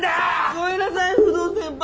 ごめんなさい不動先輩。